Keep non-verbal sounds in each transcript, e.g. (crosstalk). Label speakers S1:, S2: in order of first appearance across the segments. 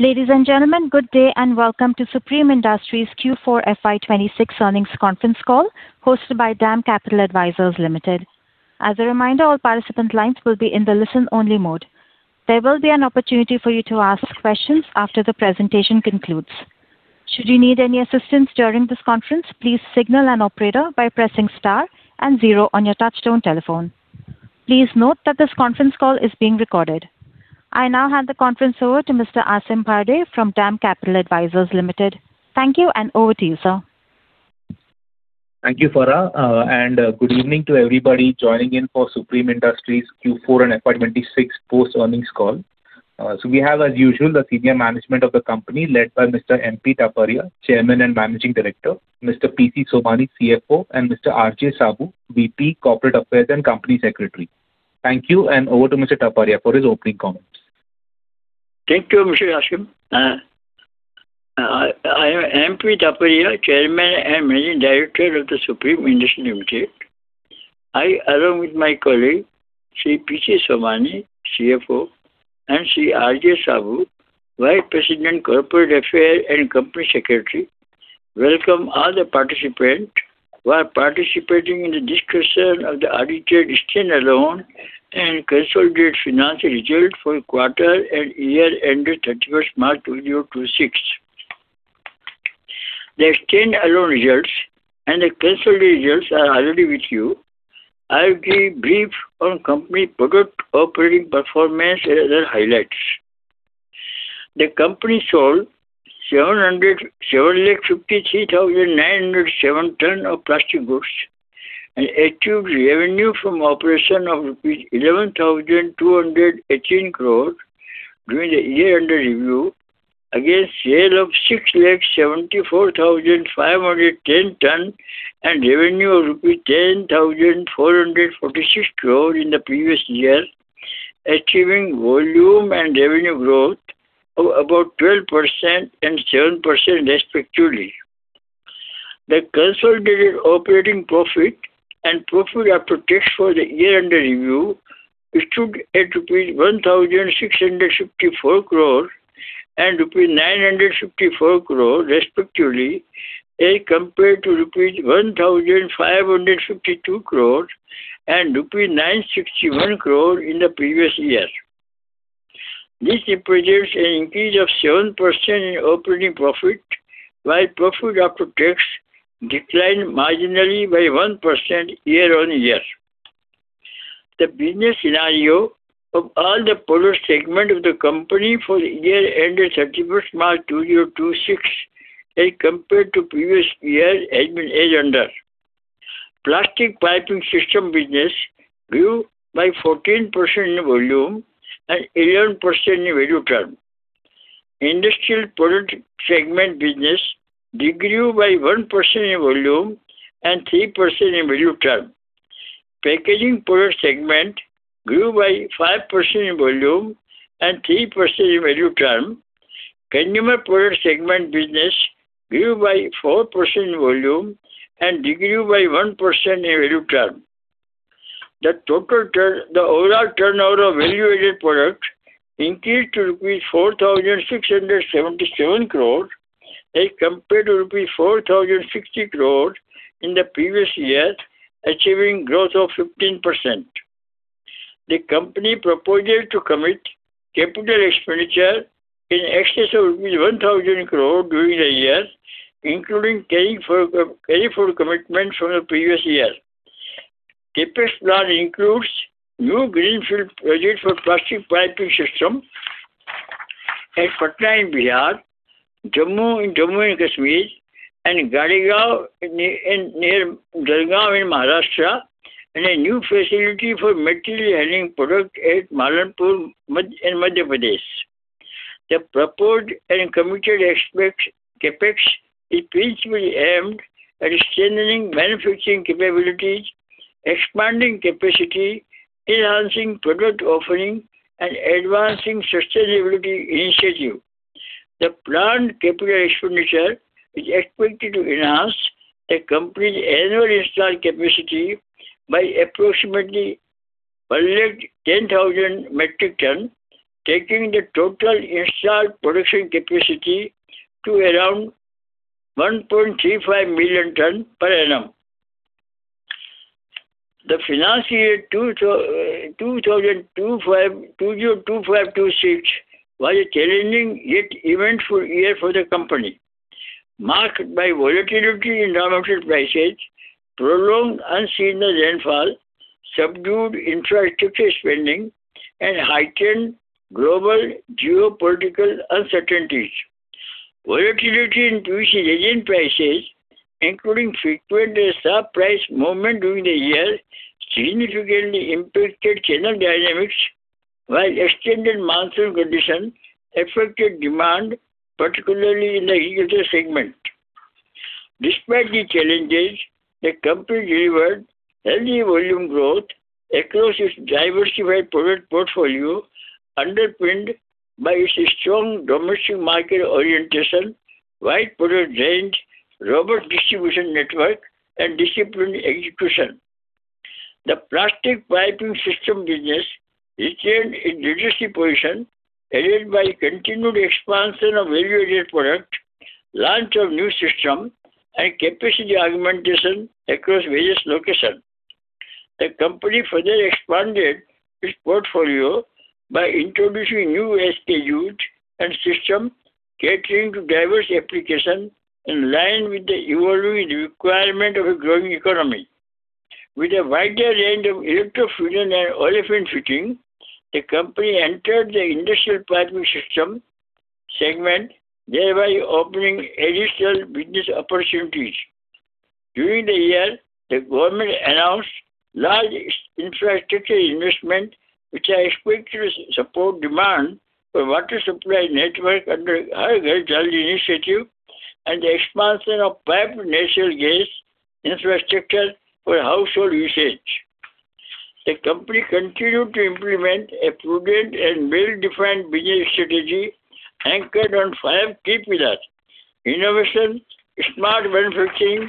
S1: Ladies and gentlemen, good day and welcome to Supreme Industries Q4 FY 2026 earnings conference call hosted by DAM Capital Advisors Limited. As a reminder, all participant lines will be in the listen-only mode. There will be an opportunity for you to ask questions after the presentation concludes. Should you need any assistance during this conference, please signal an operator by pressing star and zero on your touchtone telephone. Please note that this conference call is being recorded. I now hand the conference over to Mr. Aasim Bharde from DAM Capital Advisors Limited. Thank you, and over to you, sir.
S2: Thank you, Farah. Good evening to everybody joining in for Supreme Industries Q4 and FY 2026 post-earnings call. We have as usual, the senior management of the company led by Mr. M.P. Taparia, Chairman and Managing Director, Mr. P.C. Somani, CFO, and Mr. R.J. Saboo, VP Corporate Affairs and Company Secretary. Thank you. Over to Mr. Taparia for his opening comments.
S3: Thank you, Mr. Aasim. I am M.P. Taparia, Chairman and Managing Director of the Supreme Industries Limited. I, along with my colleague, Sri P.C. Somani, CFO, and Sri R.J. Saboo, Vice President Corporate Affairs and Company Secretary, welcome all the participants who are participating in the discussion of the audited stand-alone and consolidated financial results for the quarter and year ended 31st March 2026. The stand-alone results and the consolidated results are already with you. I'll give brief on company product operating performance and other highlights. The company sold 753,907 tons of plastic goods and achieved revenue from operations of rupees 11,218 crore during the year under review against sales of 674,510 tons and revenue of rupees 10,446 crore in the previous year, achieving volume and revenue growth of about 12% and 7% respectively. The consolidated operating profit and profit after tax for the year under review stood at rupees 1,654 crore and rupees 954 crore respectively as compared to rupees 1,552 crore and rupees 961 crore in the previous year. This represents an increase of 7% in operating profit, while profit after tax declined marginally by 1% year-on-year. The business scenario of all the product segment of the company for the year ended 31st March 2026 as compared to previous year has been as under. Plastic Piping System business grew by 14% in volume and 11% in value term. Industrial Products segment business degrew by 1% in volume and 3% in value term. Packaging Products segment grew by 5% in volume and 3% in value term. Consumer Products segment business grew by 4% in volume and degrew by 1% in value term. The overall turnover of value-added products increased to INR 4,677 crore as compared to INR 4,060 crore in the previous year, achieving growth of 15%. The company proposes to commit capital expenditure in excess of 1,000 crore during the year, including carrying for, carry forward commitments from the previous year. CapEx plan includes new greenfield project for Plastic Piping System at Patna in Bihar, Jammu in Jammu and Kashmir, and Gadegaon near Jalgaon in Maharashtra, and a new facility for Material Handling Products at Malanpur in Madhya Pradesh. The proposed and committed expenditure CapEx is principally aimed at strengthening manufacturing capabilities, expanding capacity, enhancing product offering, and advancing sustainability initiative. The planned capital expenditure is expected to enhance the company's annual installed capacity by approximately 110,000 metric tons, taking the total installed production capacity to around 1.35 million tons per annum. Financial year 2025-2026 was a challenging yet eventful year for the company, marked by volatility in raw material prices, prolonged unusual rainfall, subdued infrastructure spending, and heightened global geopolitical uncertainties. Volatility in PVC resin prices, including frequent and sharp price movement during the year, significantly impacted channel dynamics, while extended monsoon condition affected demand, particularly in the real estate segment. Despite the challenges, the company delivered healthy volume growth across its diversified product portfolio, underpinned by its strong domestic market orientation, wide product range, robust distribution network, and disciplined execution. The Plastic Piping System business retained a leadership position, aided by continued expansion of value-added product, launch of new system, and capacity augmentation across various locations. The company further expanded its portfolio by introducing new schedules and system catering to diverse application in line with the evolving requirement of a growing economy. With a wider range of electrofusion and olefin fitting, the company entered the industrial piping system segment, thereby opening additional business opportunities. During the year, the government announced large infrastructure investment, which is expected to support demand for water supply network under Har Ghar Jal Initiative and the expansion of piped natural gas infrastructure for household usage. The company continued to implement a prudent and well-defined business strategy anchored on five key pillars, innovation, smart manufacturing,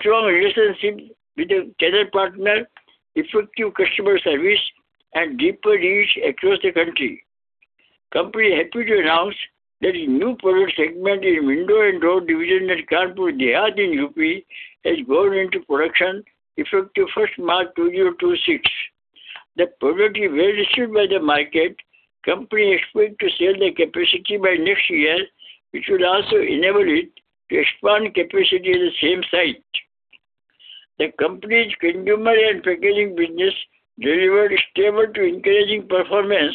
S3: strong relationship with the channel partner, effective customer service, and deeper reach across the country. The Company is happy to announce that a new product segment in window and door division at Kanpur Dehat in UP has gone into production effective 1st March, 2026. The product is well received by the market. The Company expects to sell the capacity by next year, which will also enable it to expand capacity at the same site. The company's consumer and packaging business delivered stable to encouraging performance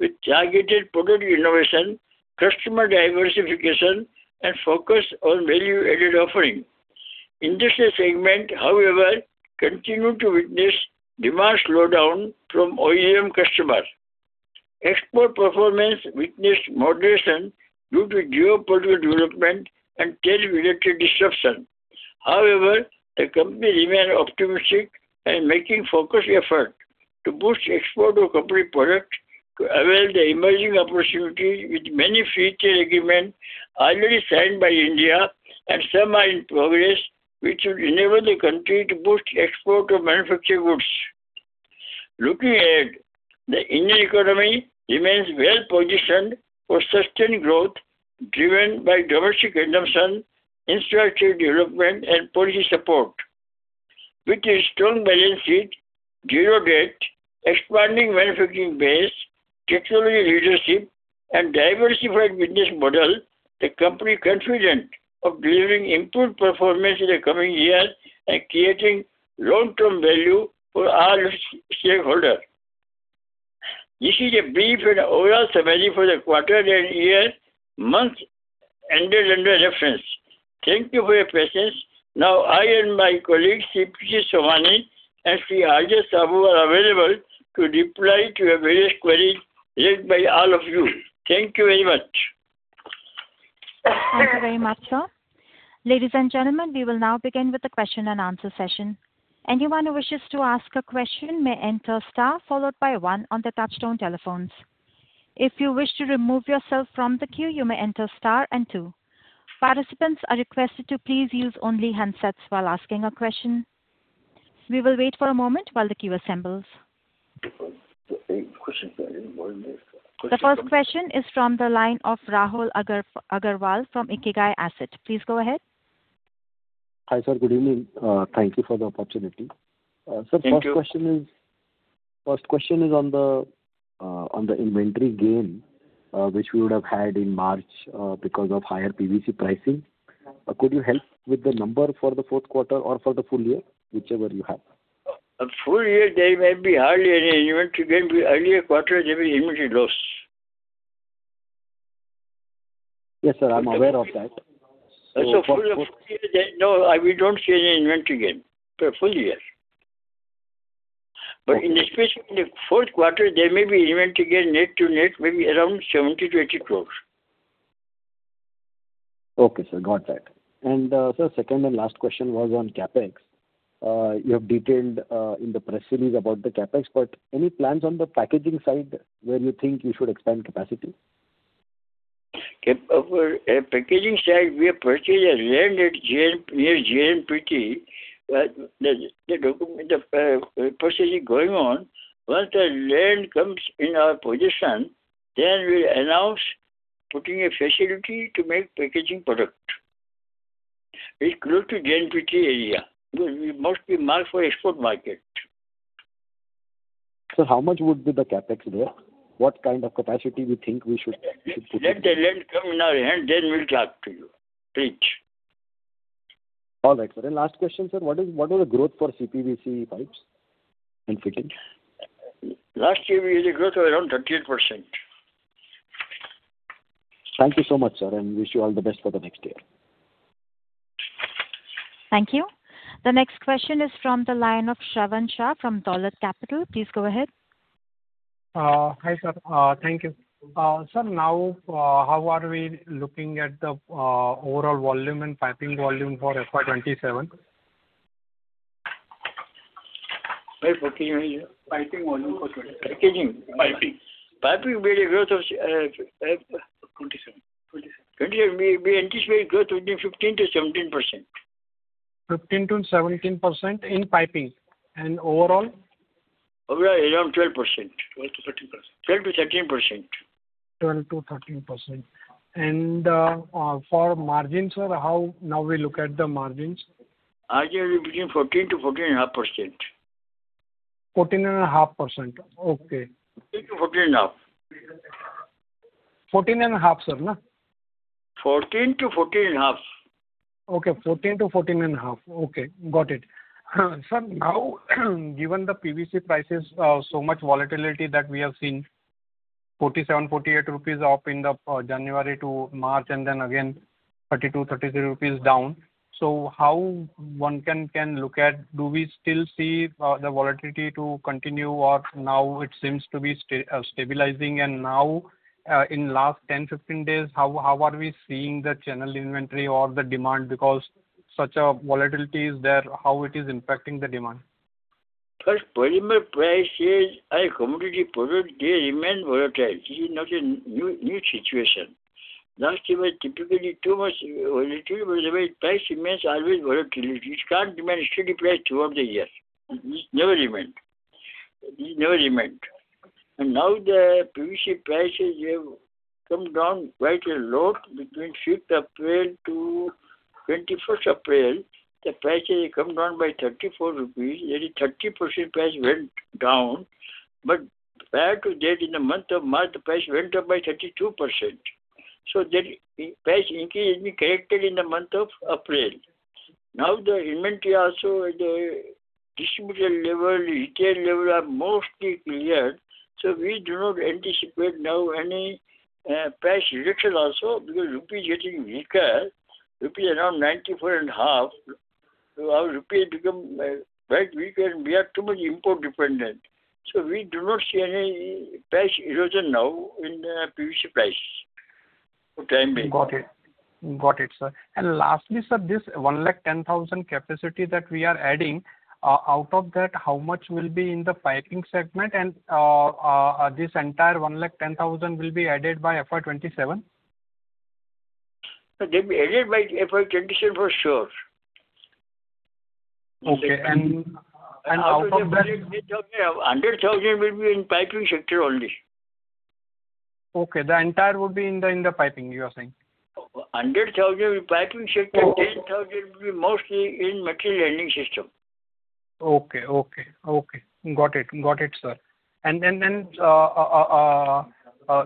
S3: with targeted product innovation, customer diversification, and focus on value-added offering. Industrial segment, however, continued to witness demand slowdown from OEM customers. Export performance witnessed moderation due to geopolitical development and trade-related disruption. However, the company remain optimistic and making focused effort to boost export of company product to avail the emerging opportunities with many free trade agreement already signed by India and some are in progress, which will enable the country to boost export of manufactured goods. Looking ahead, the Indian economy remains well-positioned for sustained growth, driven by domestic consumption, infrastructure development, and policy support. With a strong balance sheet, zero debt, expanding manufacturing base, technology leadership, and diversified business model, the company confident of delivering improved performance in the coming years and creating long-term value for all its stakeholder. This is a brief and overall summary for the quarter and year, month ended under reference. Thank you for your patience. Now, I and my colleagues, P.C. Somani and R.J. Saboo are available to reply to your various query raised by all of you. Thank you very much.
S1: Thank you very much, sir. Ladies and gentlemen, we will now begin with the question and answer session. Anyone who wishes to ask a question may enter star followed by one on their touchtone telephones. If you wish to remove yourself from the queue, you may enter star and two. Participants are requested to please use only handsets while asking a question. We will wait for a moment while the queue assembles.
S3: Questions.
S1: The first question is from the line of Rahul Agarwal from Ikigai Asset. Please go ahead.
S4: Hi, sir. Good evening. Thank you for the opportunity.
S3: Thank you.
S4: First question is on the inventory gain, which we would have had in March, because of higher PVC pricing. Could you help with the number for the fourth quarter or for the full year, whichever you have?
S3: Full year there may be hardly any inventory gain. The earlier quarter there may be inventory loss.
S4: Yes, sir. I'm aware of that.
S3: For the full year, we don't see any inventory gain for full year.
S4: Okay.
S3: Especially in the fourth quarter, there may be inventory gain net-to-net, maybe around 70 crore-80 crore.
S4: Okay, sir. Got that. Sir, second and last question was on CapEx. You have detailed in the press release about the CapEx, but any plans on the packaging side where you think you should expand capacity?
S3: For packaging side, we have purchased a land at [JL], near JNPT. The purchasing going on. Once the land comes in our possession, then we'll announce putting a facility to make packaging product. It's close to JNPT area. It must be marked for export market.
S4: Sir, how much would be the CapEx there? What kind of capacity we think we should actually put in?
S3: Let the land come in our hand, then we'll talk to you. Please.
S4: All right, sir. Last question, sir. What is the growth for CPVC pipes and fittings?
S3: Last year we had a growth of around 38%.
S4: Thank you so much, sir, and wish you all the best for the next year.
S1: Thank you. The next question is from the line of Shravan Shah from Dolat Capital. Please go ahead.
S5: Hi, sir. Thank you. Sir, now, how are we looking at the overall volume and piping volume for FY 2027?
S3: Very fortunately.
S6: Piping volume for 2027.
S3: Packaging?
S6: Piping.
S3: Piping we had a growth of.
S6: 2027.
S3: We anticipate growth between 15%-17%.
S5: 15%-17% in piping. Overall?
S3: Overall around 12%. 12%-13%.
S5: 12%-13%. For margins, sir, how now we look at the margins?
S3: Margins between 14%-14.5%.
S5: 14.5%. Okay.
S3: 14%-14.5%.
S5: 14.5%, sir, no?
S3: 14%-14.5%.
S5: Okay. 14%-14.5%. Okay. Got it. Sir, now given the PVC prices, so much volatility that we have seen, 47 crore-48 crore rupees up in the January to March, and then again 32 crore-33 crore rupees down. How one can look at. Do we still see the volatility to continue, or now it seems to be stabilizing and now in last 10 days, 15 days, how are we seeing the channel inventory or the demand? Because such a volatility is there, how it is impacting the demand?
S3: First, polymer price is a commodity product. They remain volatile. This is not a new situation. Last year was typically too much volatility. The way price remains always volatility. It can't remain steady price throughout the year. It never remain. Now the PVC prices have come down quite a lot between 5th April to 21st April. The prices have come down by 34 crore rupees. Nearly 30% price went down. Prior to that, in the month of March, the price went up by 32%. There the price increase has been corrected in the month of April. Now the inventory also at the distributor level, retail level are mostly cleared. We do not anticipate now any price reduction also because rupee is getting weaker. Rupee around 94.5. Our rupee has become quite weak, and we are too much import dependent. We do not see any price erosion now in the PVC price for the time being.
S5: Got it, sir. Lastly, sir, this 110,000 MT capacity that we are adding, out of that, how much will be in the piping segment and, this entire 110,000 MT will be added by FY 2027?
S3: They'll be added by FY 2027 for sure.
S5: Okay. Out of that.
S3: Under thousand will be in piping sector only.
S5: Okay. The entire would be in the piping, you are saying.
S3: Under thousand will be piping sector.
S5: Okay.
S3: 10,000 will be mostly in Material Handling System.
S5: Okay. Got it, sir.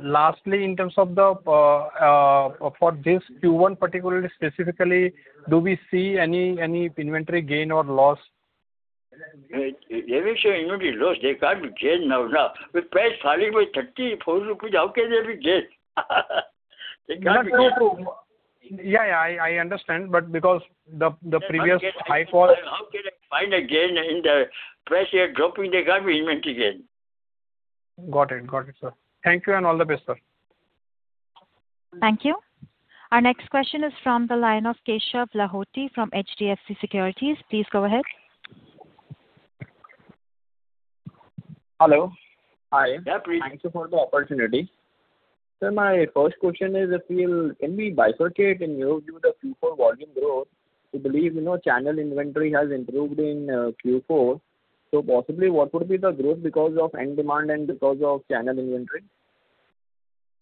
S5: Lastly, in terms of, for this Q1 particularly, specifically, do we see any inventory gain or loss?
S3: There is no inventory loss. They can't gain now, no. The price falling by INR 30 crore-INR 40 crore. How can they be gain? They can't gain.
S5: Not true. Yeah, yeah. I understand. Because the previous high fall-
S3: How can they find a gain in the price here dropping, they can't be inventory gain.
S5: Got it, sir. Thank you and all the best, sir.
S1: Thank you. Our next question is from the line of Keshav Lahoti from HDFC Securities. Please go ahead.
S7: Hello. Hi.
S3: Yeah, please.
S7: Thank you for the opportunity. My first question is, can we bifurcate and, you know, do the Q4 volume growth? We believe, you know, channel inventory has improved in Q4. Possibly what would be the growth because of end demand and because of channel inventory?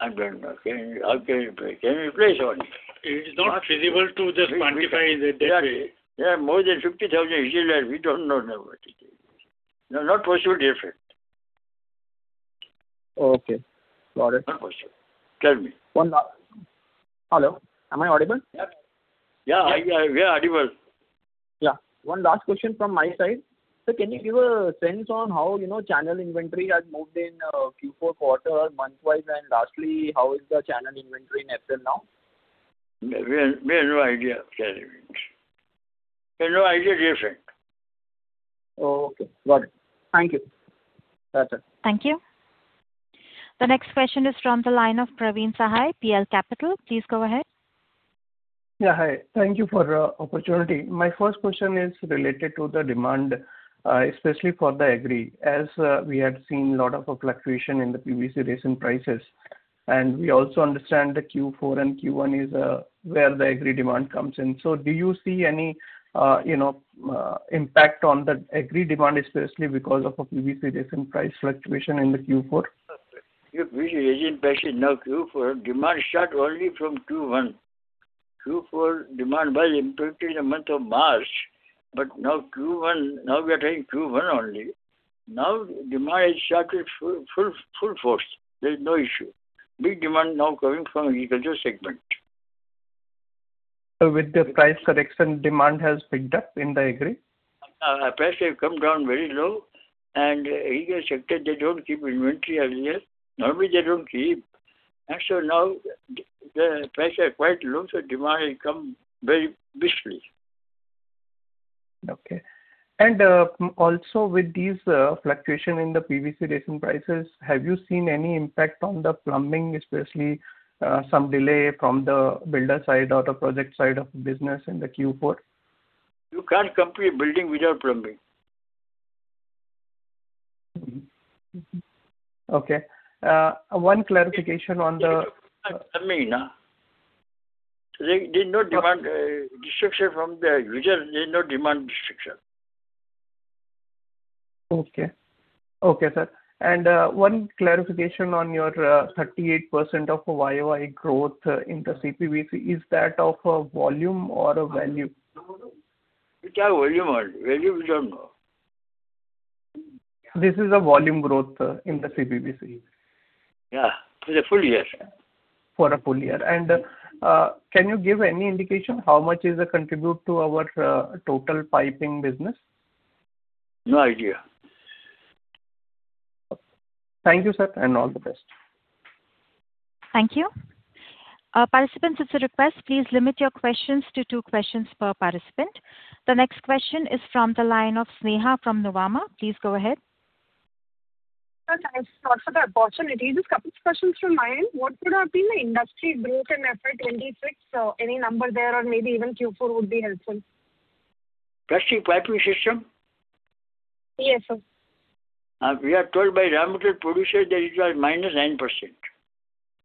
S3: I don't know. Can we, how can we break? Can we place only?
S6: It is not feasible to just quantify the data.
S3: There are more than 50,000 dealers. We don't know nobody. No, not possible, dear friend.
S7: Okay. Got it.
S3: Not possible. Tell me.
S7: Hello? Am I audible?
S3: Yeah. We are audible.
S7: Yeah. One last question from my side. Sir, can you give a sense on how, you know, channel inventory has moved in Q4 quarter month-wise, and lastly, how is the channel inventory in April now?
S3: We have no idea. Tell me. We have no idea, dear friend.
S7: Oh, okay. Got it. Thank you.
S3: That's it.
S1: Thank you. The next question is from the line of Praveen Sahay, PL Capital. Please go ahead.
S8: Yeah. Hi. Thank you for the opportunity. My first question is related to the demand, especially for the Agri. As we had seen lot of fluctuation in the PVC resin prices, and we also understand the Q4 and Q1 is where the Agri demand comes in. Do you see any, you know, impact on the Agri demand, especially because of a PVC resin price fluctuation in the Q4?
S3: PVC resin price is now Q4. Demand start only from Q1. Q4 demand was impacted in the month of March. Now Q1, now we are telling Q1 only. Now demand has started full force. There is no issue. Big demand now coming from agriculture segment.
S8: With the price correction, demand has picked up in the agri?
S3: Our prices have come down very low. Agriculture sector, they don't keep inventory earlier. Normally they don't keep. Now the prices are quite low, so demand will come very briskly.
S8: Okay. Also with these fluctuation in the PVC resin prices, have you seen any impact on the plumbing, especially, some delay from the builder side or the project side of the business in the Q4?
S3: You can't complete building without plumbing.
S8: Okay. One clarification on the-
S3: They did not demand disruption from the user.
S8: Okay. Okay, sir. One clarification on your 38% of YoY growth in the CPVC, is that of volume or value?
S3: It's volume only. Value we don't know.
S8: This is a volume growth in the CPVC.
S3: Yeah. It's a full year.
S8: For a full year. Can you give any indication how much is the contribution to our total piping business?
S3: No idea.
S8: Thank you, sir, and all the best.
S1: Thank you. Participants, it's a request, please limit your questions to two questions per participant. The next question is from the line of Sneha from Nuvama. Please go ahead.
S9: Sir, thanks a lot for the opportunity. Just a couple of questions from my end. What would have been the industry growth in FY 2026? Any number there or maybe even Q4 would be helpful.
S3: Plastic Piping System?
S9: Yes, sir.
S3: We are told by raw material producer that it was -9%.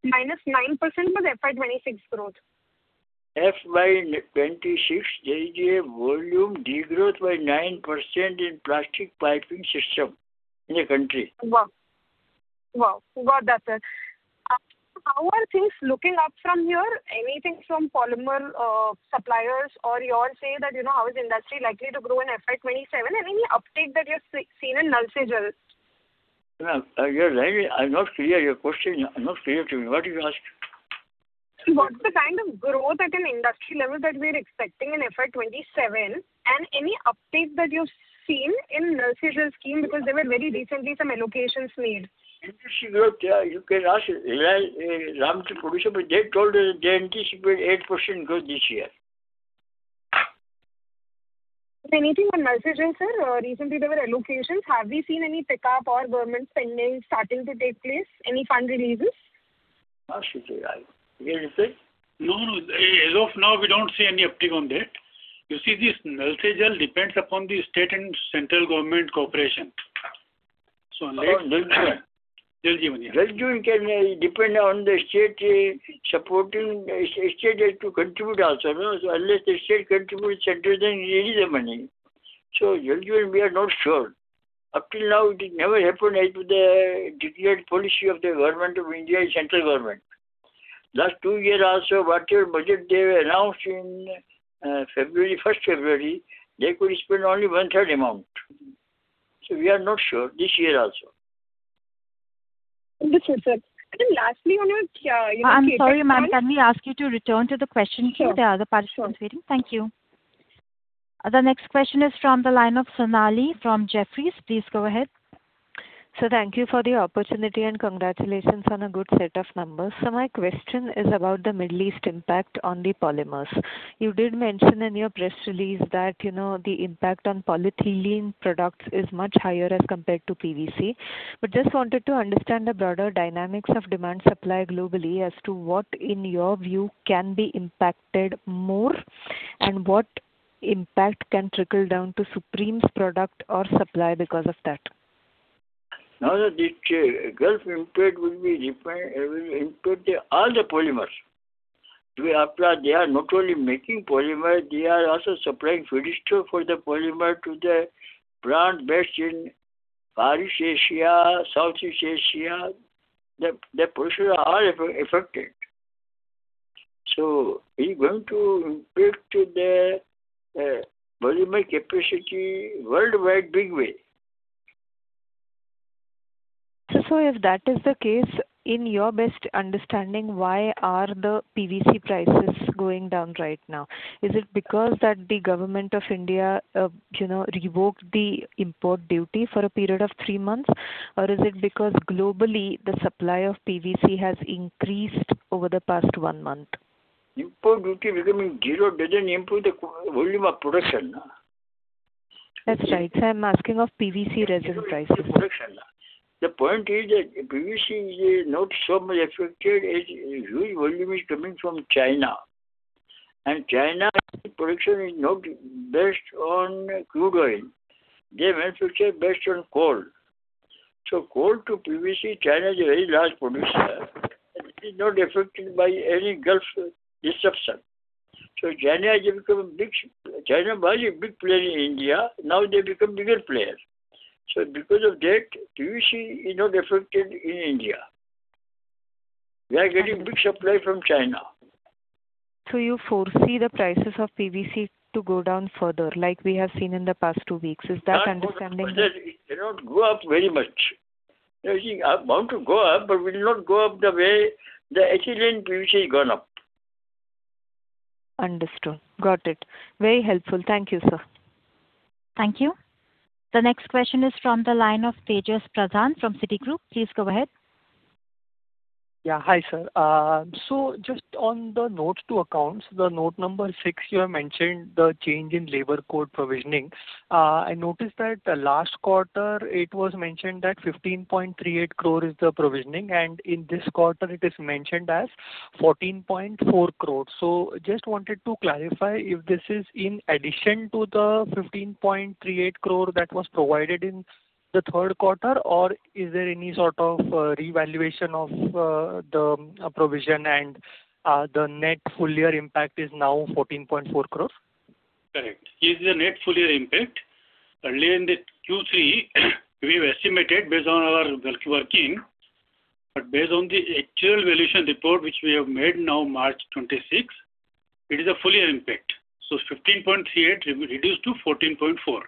S9: -9% was FY 2026 growth?
S3: FY 2026, there is a volume degrowth by 9% in Plastic Piping System in the country.
S9: Wow. Got that, sir. How are things looking up from here? Anything from polymer suppliers or your side that, you know, how is industry likely to grow in FY 2027? Any update that you have seen in Nal Se Jal?
S3: No, you're right. I'm not clear. Your question, I'm not clear to me. What are you asking?
S9: What's the kind of growth at an industry level that we're expecting in FY 2027, and any update that you've seen in Nal Se Jal scheme, because there were very recently some allocations made?
S3: Industry growth, yeah, you can ask raw material producer, but they told us they anticipate 8% growth this year.
S9: If anything on Nal Se Jal, sir. Recently there were allocations. Have we seen any pickup or government spending starting to take place? Any fund releases?
S3: Ask Shishir?
S10: No, no. As of now, we don't see any uptick on that. You see this Nal Se Jal depends upon the state and central government cooperation. Unless-
S3: Right.
S10: Jal Jeevan, yeah.
S3: Jal Jeevan can depend on the state supporting. State has to contribute also, no? Unless the state contribute, center then release the money. Jal Jeevan we are not sure. Up till now it has never happened. It was the declared policy of the government of India and central government. Last two years also, whatever budget they announced in February, they could spend only one-third amount. We are not sure this year also.
S9: Understood, sir. Lastly on your-
S1: I'm sorry, ma'am. Can we ask you to return to the question?
S9: Sure.
S1: Please? There are other participants waiting.
S9: Sure.
S1: Thank you. The next question is from the line of Sonali from Jefferies. Please go ahead.
S11: Sir, thank you for the opportunity, and congratulations on a good set of numbers. My question is about the Middle East impact on the polymers. You did mention in your press release that, you know, the impact on polyethylene products is much higher as compared to PVC. Just wanted to understand the broader dynamics of demand supply globally as to what, in your view, can be impacted more, and what impact can trickle down to Supreme's product or supply because of that.
S3: No, no, the Gulf impact will impact all the polymers. The suppliers, they are not only making polymer, they are also supplying feedstock for the polymer to the plant based in Far East Asia, Southeast Asia. The producers are affected. It's going to impact the polymer capacity worldwide big way.
S11: Sir, if that is the case, in your best understanding, why are the PVC prices going down right now? Is it because that the government of India revoked the import duty for a period of three months, or is it because globally the supply of PVC has increased over the past one month?
S3: Import duty becoming zero doesn't improve the volume of production.
S11: That's right, sir. I'm asking about PVC resin prices.
S3: The point is that PVC is not so much affected as a huge volume is coming from China. China's production is not based on crude oil. Their manufacturing is based on coal. Coal to PVC, China is a very large producer, and it is not affected by any Gulf disruption. China was a big player in India. Now they become bigger player. Because of that, PVC is not affected in India. We are getting big supply from China.
S11: You foresee the prices of PVC to go down further, like we have seen in the past two weeks. Is that understanding?
S3: Not go down further. It cannot go up very much. You see, they are bound to go up, but will not go up the way the ethylene and PVC has gone up.
S11: Understood. Got it. Very helpful. Thank you, sir.
S1: Thank you. The next question is from the line of Tejas Pradhan from Citigroup. Please go ahead.
S12: Yeah. Hi, sir. Just on the note to accounts, the note number six, you have mentioned the change in labor code provisioning. I noticed that last quarter it was mentioned that 15.38 crore is the provisioning, and in this quarter it is mentioned as 14.4 crore. Just wanted to clarify if this is in addition to the 15.38 crore that was provided in the third quarter, or is there any sort of revaluation of the provision and the net full year impact is now 14.4 crore?
S6: Correct. It is a net full year impact. Earlier in the Q3, we estimated based on our work, but based on the actual valuation report which we have made now March 26, it is a full year impact. 15.38 crore reduced to 14.4 crore.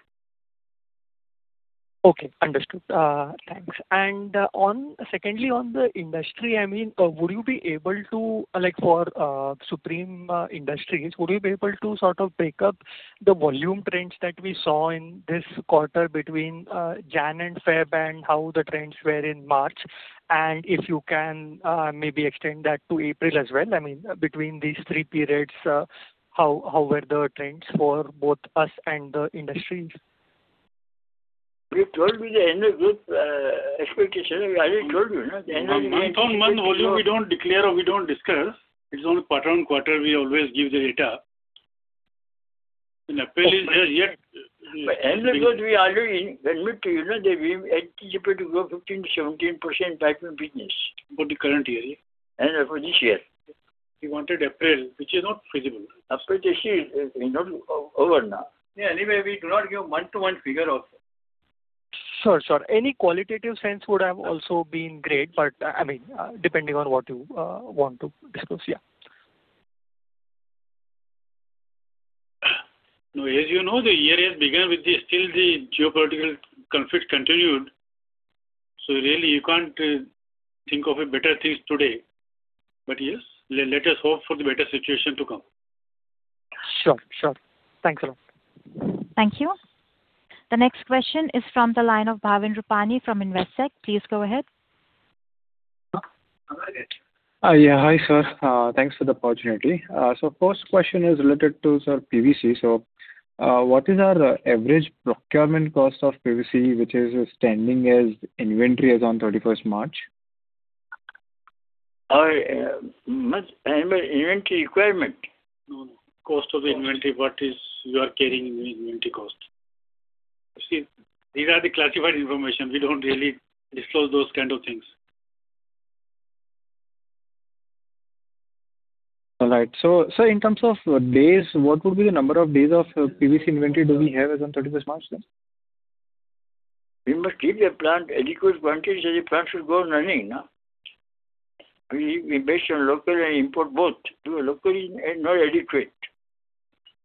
S12: Okay, understood. Thanks. Secondly, on the industry, I mean, would you be able to, like for Supreme Industries, would you be able to sort of pick up the volume trends that we saw in this quarter between January and February, and how the trends were in March? If you can, maybe extend that to April as well. I mean, between these three periods, how were the trends for both us and the industries?
S3: We told you the annual growth expectation. We already told you, no. The annual growth-
S6: Month-on-month volume we don't declare or we don't discuss. It's only quarter-on-quarter we always give the data. In April is as yet-
S3: Annual growth we already admit to you, no, that we anticipate to grow 15%-17% type of business.
S6: For the current year.
S3: For this year.
S6: He wanted April, which is not feasible.
S3: April, this year is not over now.
S6: Yeah. Anyway, we do not give month-to-month figure also.
S12: Sure, sure. Any qualitative sense would have also been great, but I mean, depending on what you want to disclose. Yeah.
S6: No, as you know, the year has begun with still the geopolitical conflict continued. Really you can't think of a better things today. Yes, let us hope for the better situation to come.
S12: Sure, sure. Thanks a lot.
S1: Thank you. The next question is from the line of Bhavin Rupani from Investec. Please go ahead.
S13: Yeah. Hi, sir. Thanks for the opportunity. First question is related to, sir, PVC. What is our average procurement cost of PVC, which is standing as inventory as on 31st March?
S3: Inventory requirement?
S6: No, no. Cost of the inventory, what is your carrying inventory cost. See, these are the classified information. We don't really disclose those kind of things.
S13: All right. Sir, in terms of days, what would be the number of days of PVC inventory do we have as on 31st March, sir?
S3: We must keep the plant adequate quantity. The plant should go on running. We base on local and import both. Local is not adequate.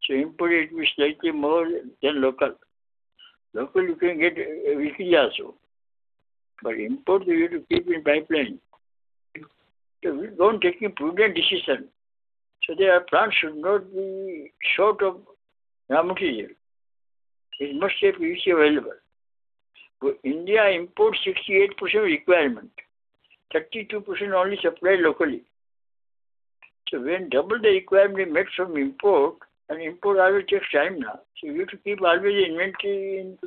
S3: Import it will be slightly more than local. Local you can get weekly also. Import we need to keep in pipeline. We go on taking prudent decision. The plant should not be short of raw material. It must be easily available. India imports 68% requirement, 32% only supply locally. When double the requirement made from import, and import always takes time now. We have to keep always inventory in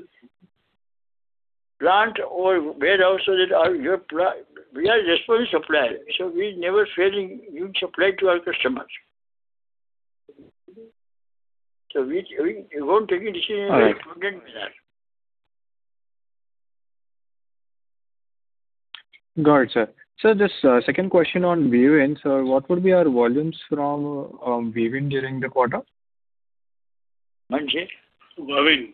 S3: plant or warehouse so that we are responsible supplier. We never fail in supply to our customers. We go on taking decision.
S13: All right.
S3: According to that.
S13: Got it, sir. Sir, just second question on Wavin sir. What would be our volumes from Wavin during the quarter?
S3: Pardon, sir.
S6: Wavin.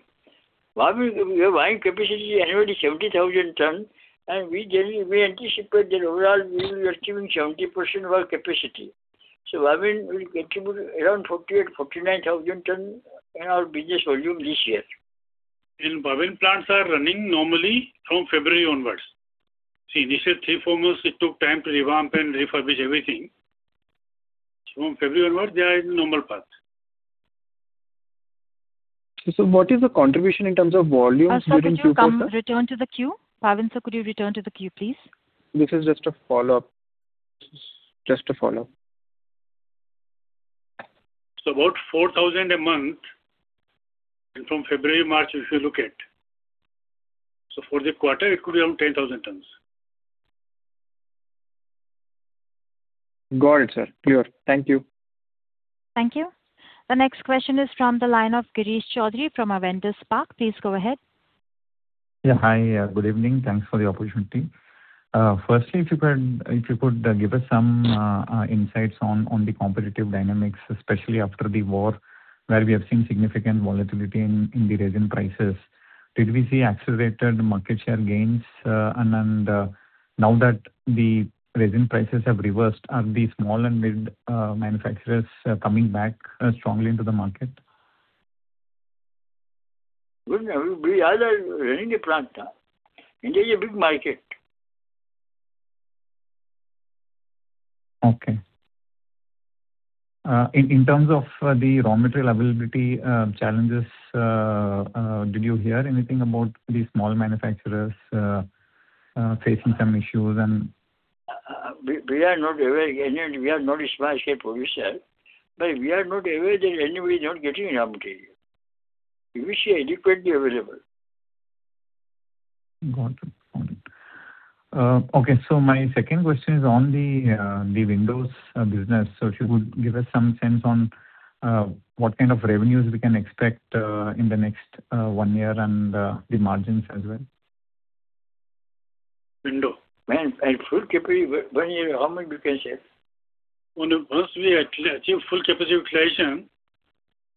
S3: Wavin, we have capacity annually 70,000 tons, and we generally anticipate that overall we will be achieving 70% of our capacity. Wavin will contribute around 48,000 tons-49,000 tons in our business volume this year.
S6: Wavin plants are running normally from February onwards. See, initial three, four months, it took time to revamp and refurbish everything. From February onwards, they are in normal path.
S13: What is the contribution in terms of volumes during the quarter?
S1: Sir, could you return to the queue? Bhavin, sir, could you return to the queue, please?
S13: This is just a follow-up.
S6: About 4,000 tons a month from February, March, if you look at. For the quarter, it could be around 10,000 tons.
S13: Got it, sir. Clear. Thank you.
S1: Thank you. The next question is from the line of Girish Choudhary from Avendus Spark. Please go ahead.
S14: Yeah. Hi. Good evening. Thanks for the opportunity. Firstly, if you could give us some insights on the competitive dynamics, especially after the war, where we have seen significant volatility in the resin prices. Did we see accelerated market share gains? And now that the resin prices have reversed, are the small and mid manufacturers coming back strongly into the market?
S3: Good. We are running the plant. India is a big market.
S14: Okay. In terms of the raw material availability challenges, did you hear anything about the small manufacturers facing some issues and.
S3: We are not aware. Anyway, we are not a small scale producer. We are not aware that anybody is not getting raw material. PVC adequately available.
S14: Got it. Okay. My second question is on the windows business. If you could give us some sense on what kind of revenues we can expect in the next one year and the margins as well.
S3: Window and full capacity, when you how much you can share?
S15: Once we achieve full capacity utilization,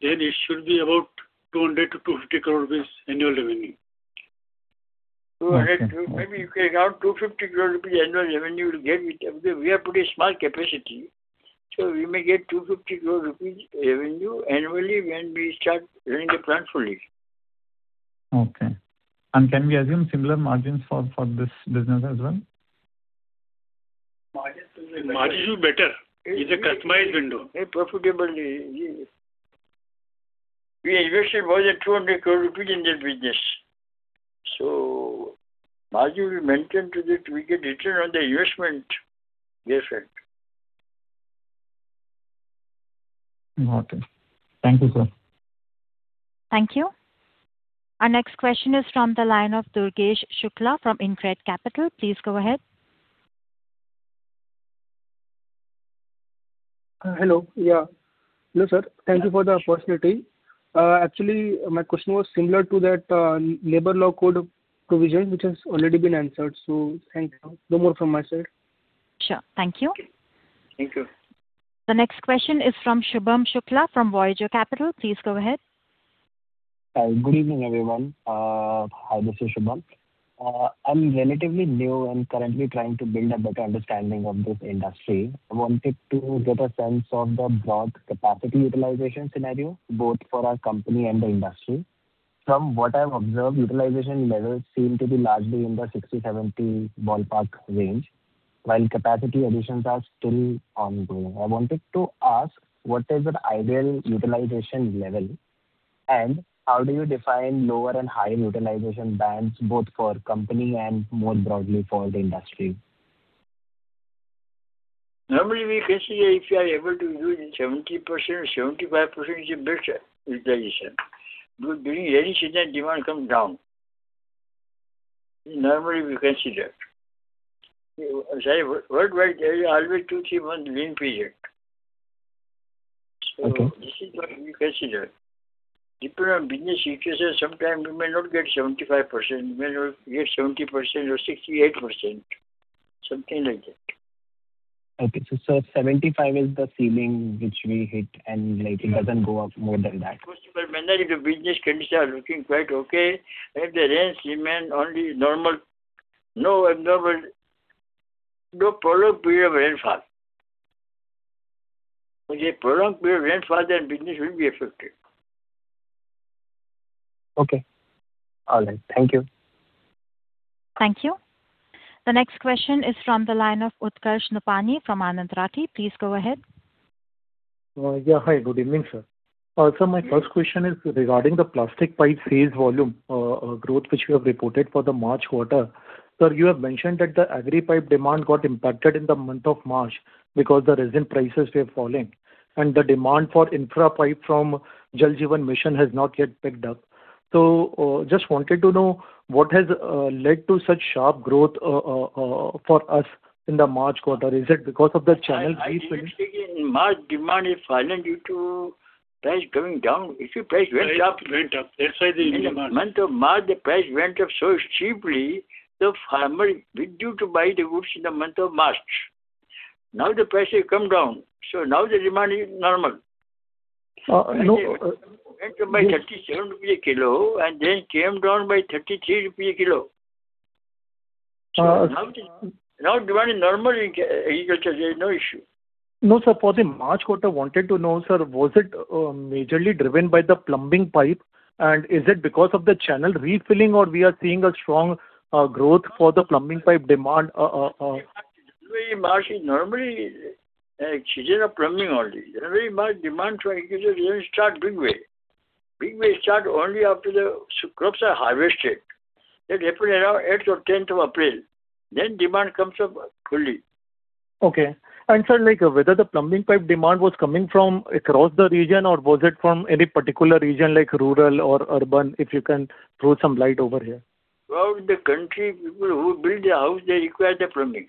S15: it should be about 200 crore-250 crore rupees annual revenue.
S3: Maybe you can around 250 crore rupees annual revenue will get with them. We are pretty small capacity, so we may get 250 crore rupees revenue annually when we start running the plant fully.
S14: Okay. Can we assume similar margins for this business as well?
S10: Margins will be better. Margins will be better. It's a customized window.
S3: Profitably. We invested more than 200 crore in that business. Margin will maintain to that we get return on the investment we have spent.
S14: Okay. Thank you, sir.
S1: Thank you. Our next question is from the line of Durgesh Shukla from InCred Capital. Please go ahead.
S16: Hello. Yeah. Hello, sir. Thank you for the opportunity. Actually, my question was similar to that, labor law code provision, which has already been answered. Thank you. No more from my side.
S1: Sure. Thank you.
S16: Thank you.
S1: The next question is from Shubham Shukla from Voyager Capital. Please go ahead.
S17: Good evening, everyone. Hi, this is Shubham. I'm relatively new and currently trying to build a better understanding of this industry. I wanted to get a sense of the broad capacity utilization scenario, both for our company and the industry. From what I've observed, utilization levels seem to be largely in the 60%-70% ballpark range, while capacity additions are still ongoing. I wanted to ask, what is an ideal utilization level, and how do you define lower and higher utilization bands, both for company and more broadly for the industry?
S3: Normally, we consider if you are able to use 70%, 75% is a better utilization. During rainy season, demand comes down. Normally we consider. Sorry, worldwide, there is always two to three months lean period.
S17: Okay.
S3: This is what we consider. Depending on business situation, sometimes we may not get 75%, we may not get 70% or 68%, something like that.
S17: Okay. 75% is the ceiling which we hit and like it doesn't go up more than that.
S3: Of course, but mainly the business conditions are looking quite okay. If the rains remain only normal, no abnormal, no prolonged period of rainfall. With a prolonged period of rainfall, then business will be affected.
S17: Okay. All right. Thank you.
S1: Thank you. The next question is from the line of Utkarsh Nopany from Anand Rathi. Please go ahead.
S18: Yeah. Hi, good evening, sir. My first question is regarding the plastic pipe sales volume growth which you have reported for the March quarter. Sir, you have mentioned that the agri pipe demand got impacted in the month of March because the resin prices were falling and the demand for infra pipe from Jal Jeevan Mission has not yet picked up. Just wanted to know what has led to such sharp growth for us in the March quarter. Is it because of the channel refilling?
S3: I think in March demand is falling due to price coming down. If the price went up.
S18: Price went up. That's why the demand.
S3: In the month of March, the price went up so steeply, the farmer refused to buy the goods in the month of March. Now the price has come down, so now the demand is normal.
S18: No.
S3: Went up by INR 37 a kilo and then came down by INR 33 a kilo. Demand is normal in agriculture. There's no issue.
S18: No, sir. For the March quarter, wanted to know, sir, was it majorly driven by the plumbing pipe? Is it because of the channel refilling or we are seeing a strong growth for the plumbing pipe demand?
S3: March is normally a season of plumbing only. Generally, March demand for agriculture doesn't start in a big way. It starts only after the crops are harvested. That happens around the 8th or 10th of April. Then demand comes up fully.
S18: Okay. Sir, like, whether the plumbing pipe demand was coming from across the region or was it from any particular region like rural or urban, if you can throw some light over here?
S3: Throughout the country, people who build a house, they require the plumbing.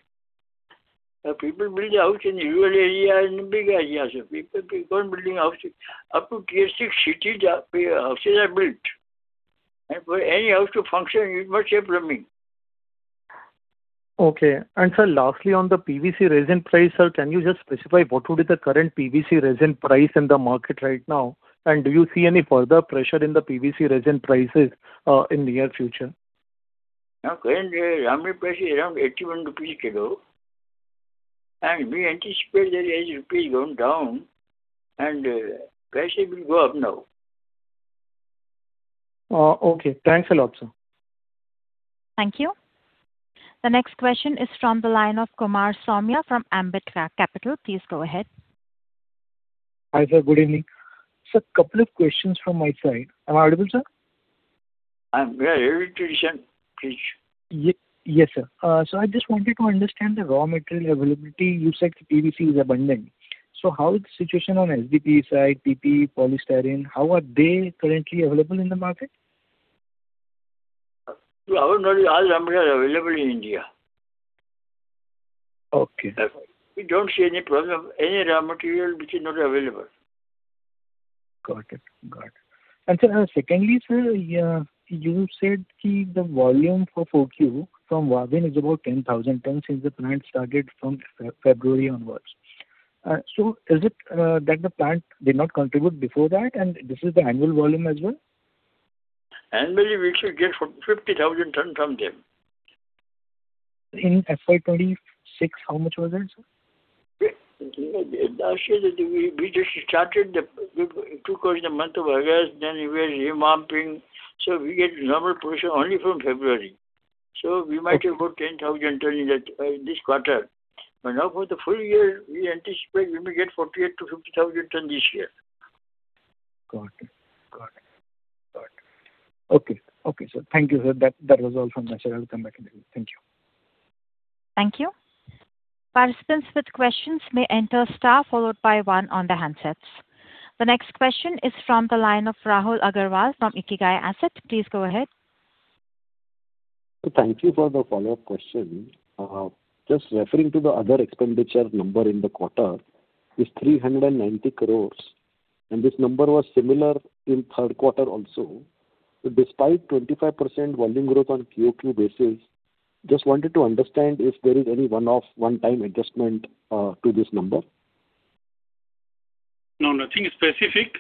S3: People build a house in rural area and big areas. People are building houses. Up to tier six cities are, houses are built. For any house to function, it must have plumbing.
S18: Okay. Sir, lastly, on the PVC resin price, sir, can you just specify what would be the current PVC resin price in the market right now? Do you see any further pressure in the PVC resin prices in near future?
S3: Now current raw material price is around INR 81 a kilo. We anticipate that as rupee is going down, prices will go up now.
S18: Okay. Thanks a lot, sir.
S1: Thank you. The next question is from the line of Kumar Saumya from Ambit Capital. Please go ahead.
S19: Hi, sir. Good evening. Sir, couple of questions from my side. Am I audible, sir?
S3: I'm very able to listen. Please.
S19: Yes, sir. I just wanted to understand the raw material availability. You said PVC is abundant. How is the situation on HDPE side, PP, polystyrene? How are they currently available in the market?
S3: Well, normally all raw material are available in India. Okay. We don't see any problem. Any raw material which is not available.
S19: Got it. Sir, secondly, sir, yeah, you said the volume for Q4 from Wavin is about 10,000 tons since the plant started from February onwards. So is it that the plant did not contribute before that and this is the annual volume as well?
S3: Annually, we should get 50,000 tons from them.
S19: In FY 2026, how much was that, sir?
S3: Last year, we just started. It took us the month of August, then we were ramping. We get normal production only from February. We might get about 10,000 tons in that, in this quarter. Now for the full year, we anticipate we may get 48,000 tons-50,000 tons this year.
S19: Got it. Okay, sir. Thank you, sir. That was all from my side. I'll come back if needed. Thank you.
S1: Thank you. Participants with questions may enter star followed by one on their handsets. The next question is from the line of Rahul Agarwal from Ikigai Asset. Please go ahead.
S4: Thank you for the follow-up question. Just referring to the other expenditure number in the quarter, is 390 crores, and this number was similar in third quarter also. Despite 25% volume growth on quarter-over-quarter basis, just wanted to understand if there is any one-off one-time adjustment to this number.
S3: No, nothing specific.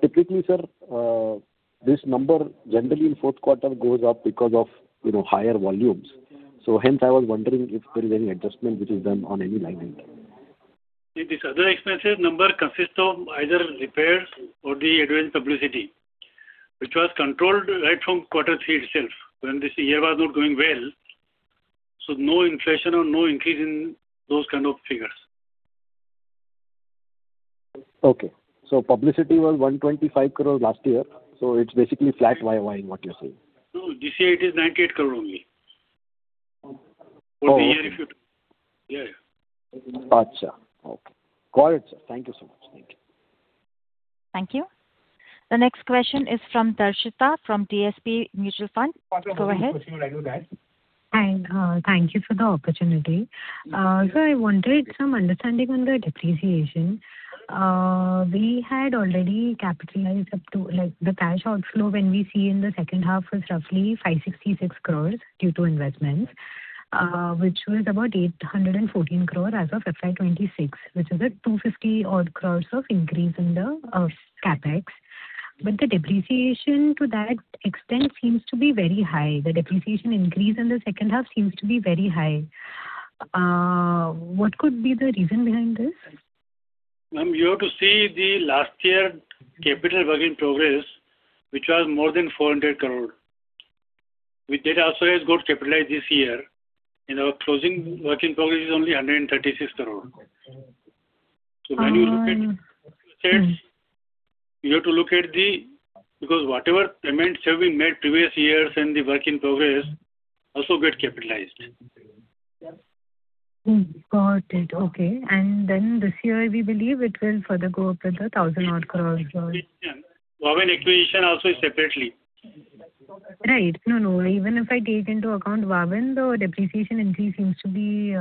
S4: Typically, sir, this number generally in fourth quarter goes up because of higher volumes. Hence I was wondering if there is any adjustment which is done on any line item.
S3: This other expense number consists of either repairs or the advanced publicity, which was controlled right from quarter three itself, when this year was not going well. No inflation or no increase in those kind of figures.
S4: Okay. Publicity was 125 crore last year, so it's basically flat YoY in what you're saying.
S3: No. This year it is 98 crore only.
S4: Oh.
S3: For the year. Yeah, yeah.
S4: Gotcha. Okay. Got it, sir. Thank you so much. Thank you.
S1: Thank you. The next question is from Darshita from DSP Mutual Fund. Go ahead.
S20: Hi, thank you for the opportunity. So I wanted some understanding on the depreciation. We had already capitalized up to, like, the cash outflow when we see in the second half was roughly 566 crore due to investments, which was about 814 crore as of FY 2026, which is a 250 odd crore increase in the CapEx. The depreciation to that extent seems to be very high. The depreciation increase in the second half seems to be very high. What could be the reason behind this?
S3: Ma'am, you have to see the last year capital work in progress, which was more than 400 crore. We did also has got capitalized this year. Our closing work in progress is only 136 crore. When you look at assets, you have to look at whatever payments have been made in previous years and the work in progress, because they also get capitalized.
S20: Got it. Okay. This year, we believe it will further go up with 1,000 odd crores or.
S3: Wavin acquisition also is separately.
S20: Right. No, no. Even if I take into account Wavin, the depreciation increase seems to be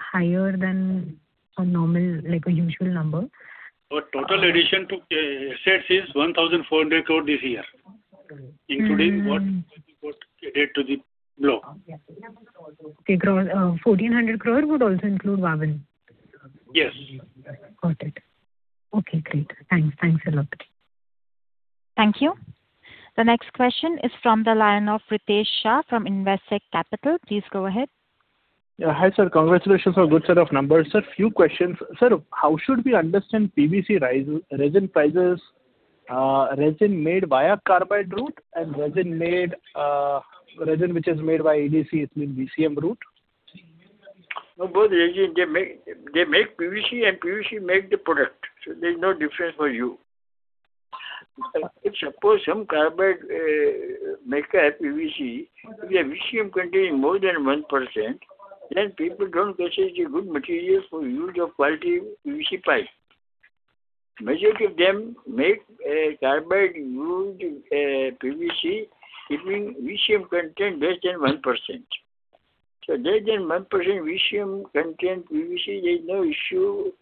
S20: higher than a normal, like a usual number.
S3: Total addition to assets is 1,400 crore this year.
S20: Mm.
S3: Including what will be put, credit to the book.
S20: Okay. 1,400 crore would also include Wavin?
S3: Yes.
S20: Got it. Okay, great. Thanks. Thanks a lot.
S1: Thank you. The next question is from the line of Ritesh Shah from Investec Capital. Please go ahead.
S21: Yeah. Hi, sir. Congratulations on good set of numbers, sir. Few questions. Sir, how should we understand PVC rise, resin prices, resin made via carbide route and resin which is made by EDC, it means VCM route?
S3: No, both resin they make PVC and PVC make the product. There's no difference for you. If suppose some carbide make a PVC, if the VCM contain more than 1%, then people don't consider good material for use of quality PVC pipe. Majority of them make a carbide route PVC keeping VCM content less than 1%. Less than 1% VCM content PVC, there's no issue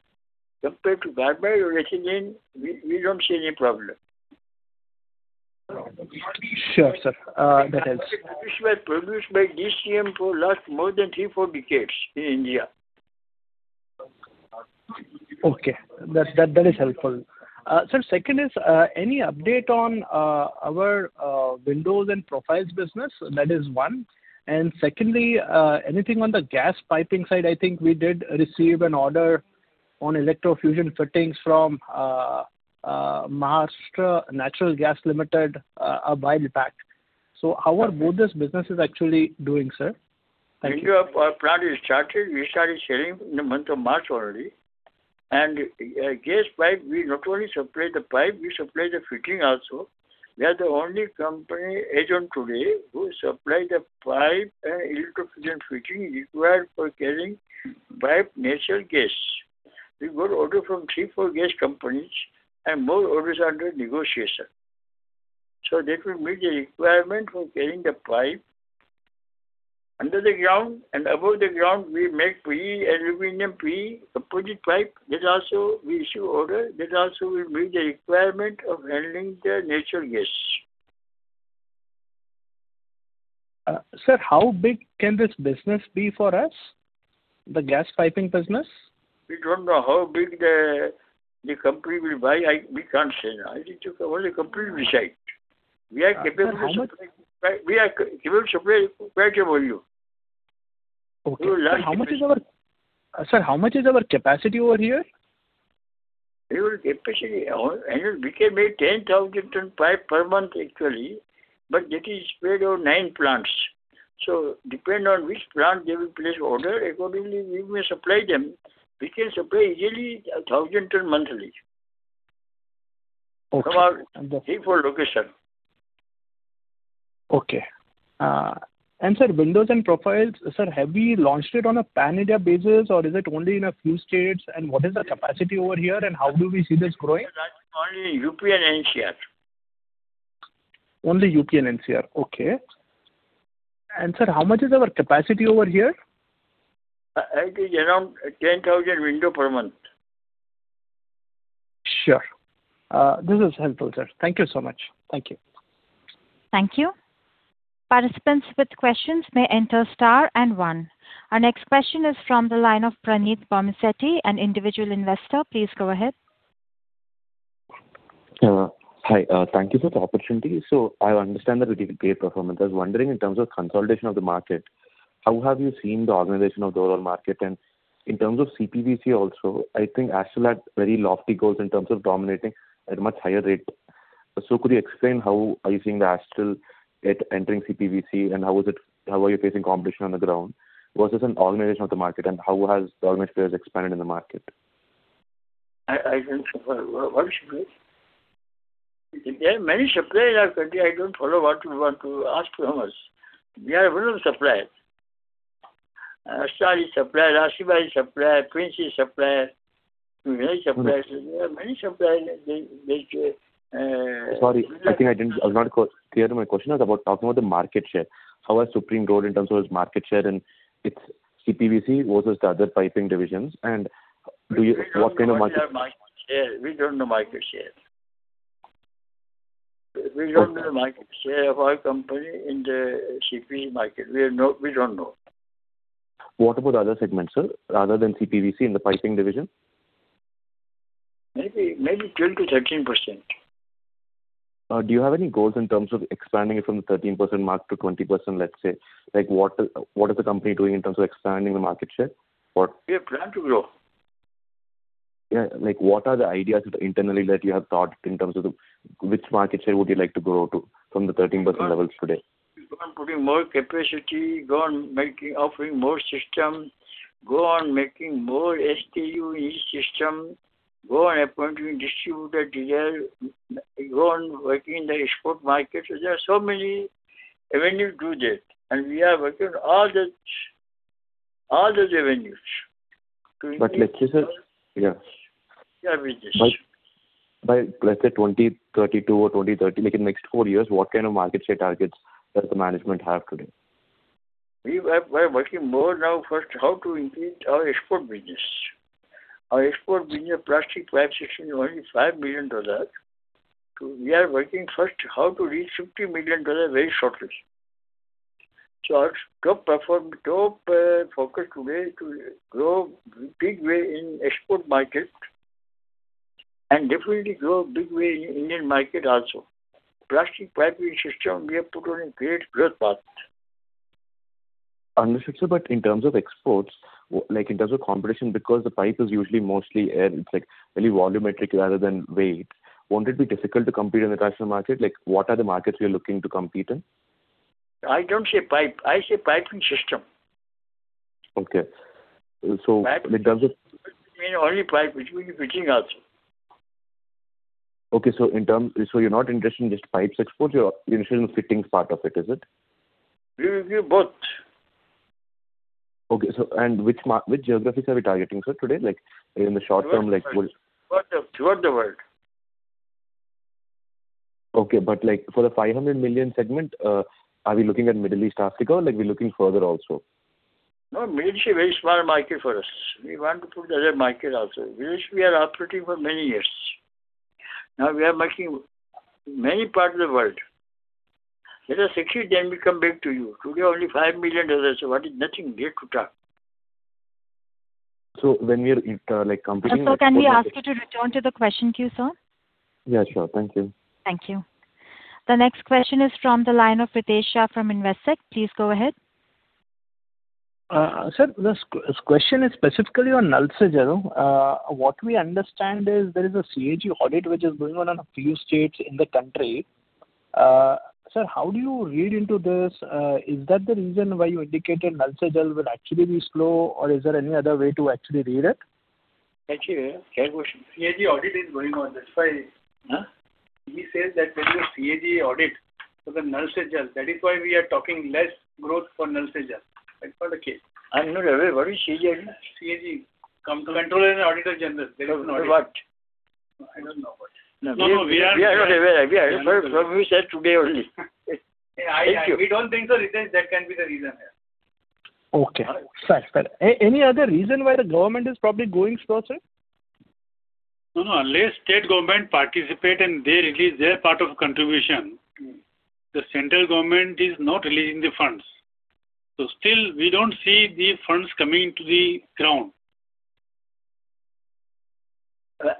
S3: compared to carbide or resin. We don't see any problem.
S21: Sure, sir. That helps.
S3: PVC was produced by DCM for the last more than three to four decades in India.
S21: Okay. That is helpful. Sir, second is any update on our windows and profiles business? That is one. Secondly, anything on the gas piping side? I think we did receive an order on electrofusion fittings from Maharashtra Natural Gas Limited, a. (inaudible) So how are both these businesses actually doing, sir? Thank you.
S3: India, our plant is started. We started selling in the month of March already. Gas pipe, we not only supply the pipe, we supply the fitting also. We are the only company as of today who supply the pipe and electrofusion fitting required for carrying natural gas. We got orders from three or four gas companies and more orders are under negotiation. That will meet the requirement for carrying the pipe under the ground and above the ground, we make PE-AL-PE composite pipe. That also we have orders. That also will meet the requirement of handling the natural gas.
S21: Sir, how big can this business be for us, the gas piping business?
S3: We don't know how big the company will buy. We can't say now. Only company decide. We are capable to supply-
S21: Sir, how much?
S3: We are capable to supply whatever volume.
S21: Okay.
S3: Last year.
S21: Sir, how much is our capacity over here?
S3: Our capacity annually we can make 10,000 tons of pipe per month actually, but that is spread over nine plants. It depends on which plant they will place order, accordingly we may supply them. We can supply easily 1,000 tons monthly.
S21: Okay.
S3: From our three to four locations.
S21: Okay. Sir, windows and profiles, sir, have we launched it on a pan-India basis or is it only in a few states? What is the capacity over here and how do we see this growing?
S3: That's only UP and NCR.
S21: Only UP and NCR. Okay. Sir, how much is our capacity over here?
S3: It is around 10,000 windows per month.
S21: Sure. This is helpful, sir. Thank you so much. Thank you.
S1: Thank you. Participants with questions may enter star and one. Our next question is from the line of Praneeth Bommisetti, an individual investor. Please go ahead.
S22: Hi. Thank you for the opportunity. I understand that it is a PE performance. I was wondering in terms of consolidation of the market, how have you seen the organization of the overall market? In terms of CPVC also, I think Astral had very lofty goals in terms of dominating at a much higher rate. Could you explain how are you seeing Astral at entering CPVC and how are you facing competition on the ground versus an organization of the market and how has raw materials expanded in the market?
S3: I can't say. What is CPVC? There are many suppliers are there. I don't follow what you want to ask from us. We are one supplier. Astral is supplier. Ashirvad is supplier. Queens is supplier. We are a supplier. There are many suppliers.
S22: Sorry. I was not clear. My question was about talking about the market share. How has Supreme grown in terms of its market share and its CPVC versus the other piping divisions? And what kind of market-
S3: We don't know market share.
S22: Okay.
S3: We don't know the market share of our company in the CPVC market. We don't know.
S22: What about other segments, sir, rather than CPVC in the piping division?
S3: Maybe 12%-13%.
S22: Do you have any goals in terms of expanding it from the 13% mark to 20%, let's say? Like, what is the company doing in terms of expanding the market share? What-
S3: We have plan to grow.
S22: Yeah. Like, what are the ideas internally that you have thought in terms of the which market share would you like to grow to from the 13% levels today?
S3: Go on putting more capacity, go on making, offering more systems, go on making more new systems, go on appointing distributor, dealer, go on working in the export market. There are so many avenues to do that, and we are working on all those avenues.
S22: Let's say, sir, yeah.
S3: Yeah, we discuss.
S22: By, let's say 2032 or 2030, like in next four years, what kind of market share targets does the management have today?
S3: We are working more now first how to increase our export business. Our export business plastic pipe section is only $5 million. We are working first how to reach $50 million very shortly. Our top focus today to grow big way in export market and definitely grow big way in Indian market also. Plastic Piping System, we have put on a great growth path.
S22: Understood, sir. In terms of exports, like in terms of competition, because the pipe is usually mostly air, it's like really volumetric rather than weight, won't it be difficult to compete in the international market? Like, what are the markets we are looking to compete in?
S3: I don't say pipe. I say piping system.
S22: Okay. In terms of-
S3: Pipe doesn't mean only pipe. It will be fitting also.
S22: You're not interested in just pipes exports, you're interested in the fittings part of it, is it?
S3: We both.
S22: Okay. Which geographies are we targeting, sir, today? Like in the short term, like will-
S3: Throughout the world.
S22: Okay. Like for the 500 million segment, are we looking at Middle East, Africa, or like we're looking further also?
S3: No, Middle East is a very small market for us. We want to put other market also. Middle East we are operating for many years. Now we are working many part of the world. Let us succeed, then we come back to you. Today only $5 million. What is nothing there to talk.
S22: When we are, like competing.
S1: Sir, can we ask you to return to the question queue, sir?
S22: Yeah, sure. Thank you.
S1: Thank you. The next question is from the line of Ritesh Shah from Investec. Please go ahead.
S21: Sir, this question is specifically on Nal Se Jal. What we understand is there is a CAG audit which is going on in a few states in the country. Sir, how do you read into this? Is that the reason why you indicated Nal Se Jal will actually be slow, or is there any other way to actually read it?
S3: Actually, what question?
S21: CAG audit is going on, that's why.
S3: Huh?
S6: He says that there is a CAG audit for the Nal Se Jal. That is why we are talking less growth for Nal Se Jal. That's not the case.
S3: I'm not aware. What is CAG?
S6: CAG, Comptroller and Auditor General. They do an audit.
S3: Of what?
S6: I don't know what.
S3: No, we are not aware. From you said today only.
S6: Yeah.
S3: Thank you.
S6: We don't think so it is that can be the reason here.
S21: Okay. Fair, fair. Any other reason why the government is probably going slow, sir?
S3: No, no. Unless state government participate and they release their part of contribution.
S21: Mm-hmm.
S3: The central government is not releasing the funds. Still we don't see the funds coming to the ground.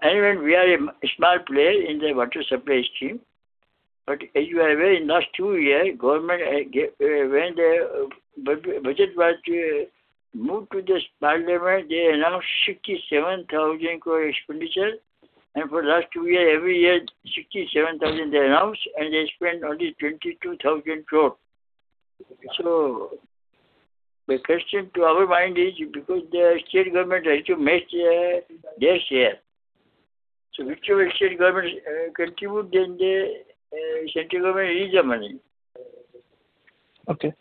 S3: Anyway, we are a small player in the water supply scheme. As you are aware, in last two years, when the budget was moved to this Parliament, they announced 67,000 crore expenditure. For last two years, every year 67,000 crore they announce, and they spend only 22,000 crore. The question to our mind is because the state government has to match their share. Which way state government contribute, then the central government release the money.
S21: Okay.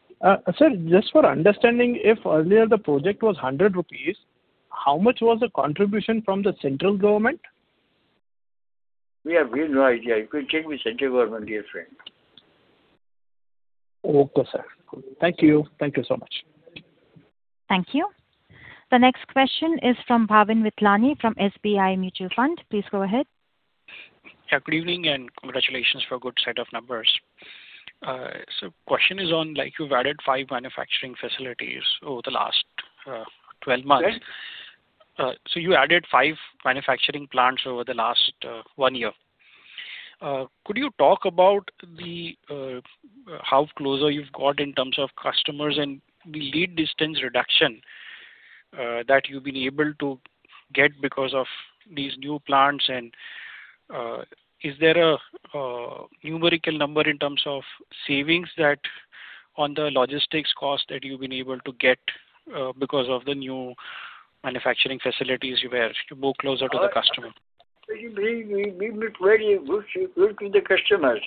S21: Sir, just for understanding, if earlier the project was 100 crore rupees, how much was the contribution from the central government?
S3: We have really no idea. You could check with central government, dear friend.
S21: Okay, sir. Thank you. Thank you so much.
S1: Thank you. The next question is from Bhavin Vithlani from SBI Mutual Fund. Please go ahead.
S23: Good evening and congratulations for good set of numbers. Question is on, like, you've added five manufacturing facilities over the last 12 months.
S3: Sorry?
S23: You added five manufacturing plants over the last one year. Could you talk about how much closer you've got in terms of customers and the lead distance reduction that you've been able to get because of these new plants. Is there a numerical number in terms of savings on the logistics cost that you've been able to get because of the new manufacturing facilities you have to move closer to the customer?
S3: We move very close to the customers.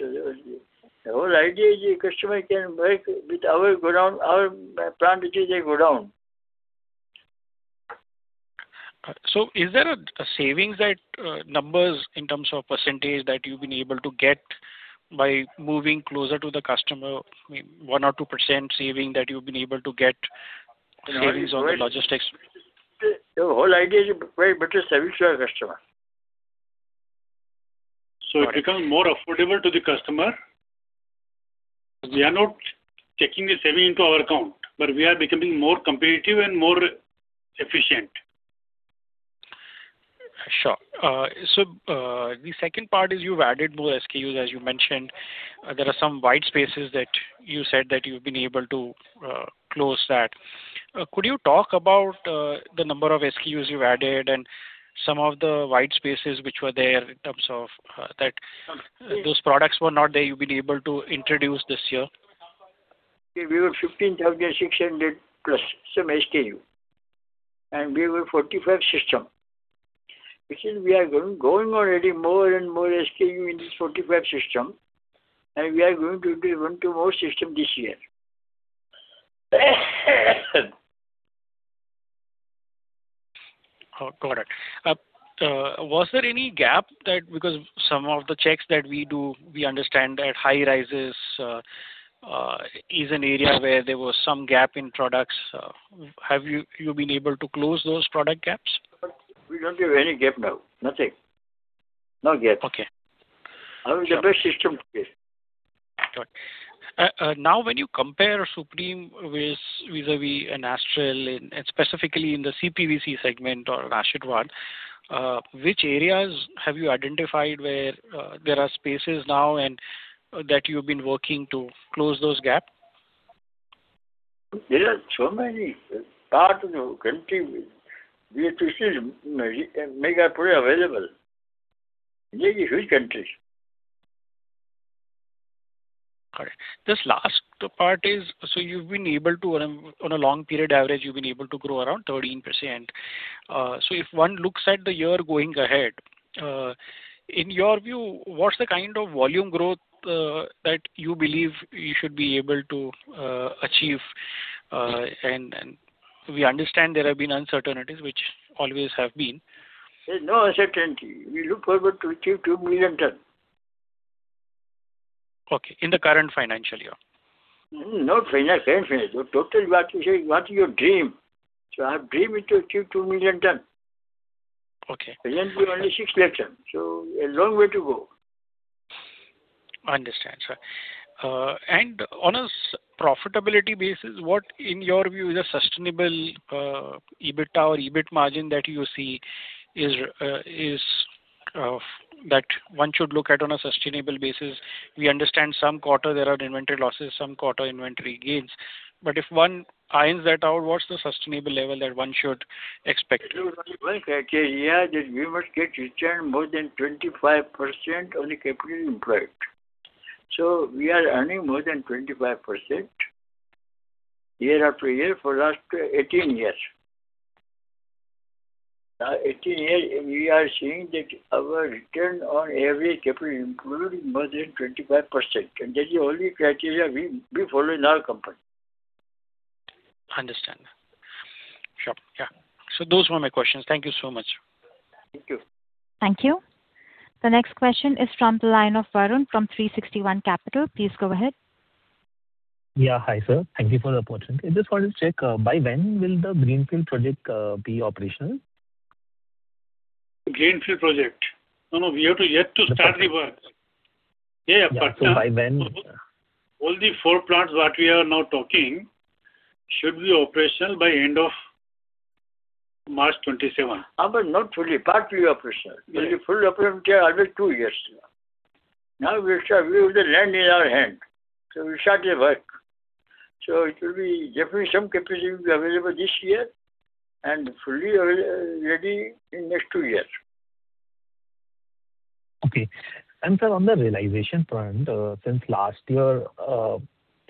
S3: Our idea is customer can work with our godown, our plant, which is a go down.
S23: Is there a savings that numbers in terms of percentage that you've been able to get by moving closer to the customer? I mean, 1%-2% saving that you've been able to get savings on the logistics?
S3: The whole idea is to provide better service to our customer. It become more affordable to the customer. We are not taking the saving into our account, but we are becoming more competitive and more efficient.
S23: Sure. The second part is you've added more SKUs, as you mentioned. There are some white spaces that you said you've been able to close that. Could you talk about the number of SKUs you've added and some of the white spaces which were there in terms of those products were not there, you've been able to introduce this year?
S3: We have 15,600+ some SKU, and we have a 45 system, which is we are going already more and more SKU in this 45 system, and we are going to do even two more system this year.
S23: Oh, got it. Was there any gap? Because some of the checks that we do, we understand that high rises is an area where there was some gap in products. Have you been able to close those product gaps?
S3: We don't have any gap now. Nothing. No gap.
S23: Okay. Sure.
S3: Having the best system today.
S23: Got it. Now when you compare Supreme with vis-a-vis an Astral in, and specifically in the CPVC segment or Ashirvad, which areas have you identified where there are spaces now and that you've been working to close those gap?
S3: There are so many parts in the country we have to still make our product available. India is a huge country.
S23: Got it. This last part is, you've been able to grow around 13% on a long period average. If one looks at the year going ahead, in your view, what's the kind of volume growth that you believe you should be able to achieve? We understand there have been uncertainties, which always have been.
S3: There's no uncertainty. We look forward to achieve 2 million tons.
S23: Okay. In the current financial year?
S3: No financial. Total what you say, what's your dream? Our dream is to achieve 2 million tons.
S23: Okay.
S3: Presently only 600,000 tons. A long way to go.
S23: Understand, sir. On a profitability basis, what in your view is a sustainable EBITDA or EBIT margin that you see is that one should look at on a sustainable basis? We understand some quarter there are inventory losses, some quarter inventory gains. If one irons that out, what's the sustainable level that one should expect?
S3: We always say that, yeah, that we must get return more than 25% on the capital employed. We are earning more than 25% year-after-year for last 18 years. We are seeing that our return on average capital employed is more than 25%, and that is the only criteria we follow in our company.
S23: Understand. Sure. Yeah. Those were my questions. Thank you so much.
S3: Thank you.
S1: Thank you. The next question is from the line of Varun from 360 ONE Capital. Please go ahead.
S24: Yeah. Hi, sir. Thank you for the opportunity. Just wanted to check by when the greenfield project will be operational?
S6: Greenfield project. No, we have yet to start the work.
S24: Yeah. By when?
S6: All the four plants what we are now talking should be operational by end of March 2027.
S3: Not fully, part will be operational.
S6: Right.
S3: Will be fully operational in another two years. Now we'll start. We have the land in our hand, so we'll start the work. It will be definitely some capacity will be available this year and fully ready in next two years.
S24: Okay. Sir, on the realization front, since last year,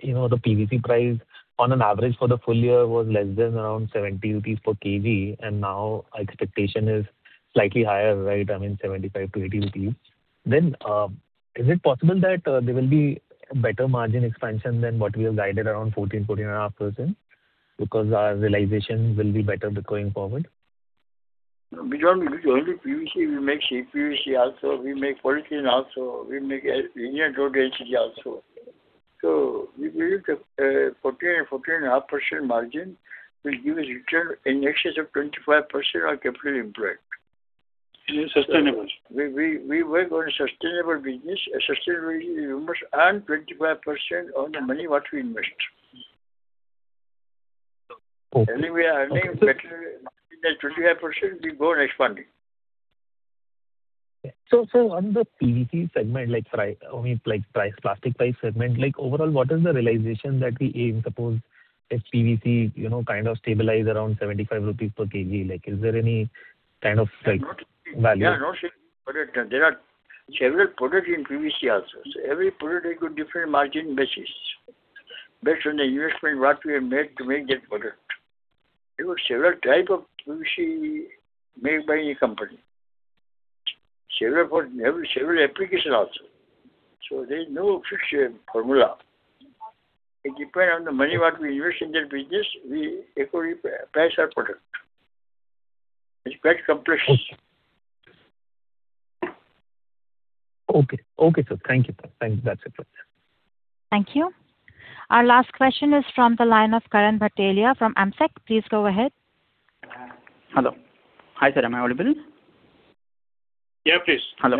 S24: you know, the PVC price on an average for the full year was less than around 70 rupees per kg, and now expectation is slightly higher, right? I mean, 75-80 rupees. Is it possible that there will be better margin expansion than what we have guided around 14%-14.5% because our realization will be better going forward?
S3: Beyond the PVC, we make CPVC also, we make polyethylene also, we make linear low-density also. We believe that 14.5% margin will give us return in excess of 25% on capital employed.
S24: Is it sustainable?
S3: We work on a sustainable business, a sustainability numbers and 25% on the money what we invest.
S24: Okay.
S3: Anyway, earning better than 25%, we go on expanding.
S24: On the PVC segment, like price, plastic price segment, like overall, what is the realization that we aim? Suppose if PVC, you know, kind of stabilize around 75 rupees per kg, like is there any kind of like value?
S3: There is not a single product. There are several products in PVC also. Every product it could different margin basis based on the investment what we have made to make that product. There are several types of PVC made by a company. Several for every application also. There's no fixed formula. It depends on the money what we invest in that business. We equally price our product. It's quite complex.
S24: Okay, sir. Thank you. That's it for now.
S1: Thank you. Our last question is from the line of Karan Bhatelia from AMSEC. Please go ahead.
S25: Hello. Hi, sir. Am I audible?
S6: Yeah, please.
S25: Hello.
S6: Yeah.
S25: Yeah. Sir,